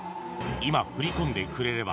「今振り込んでくれれば」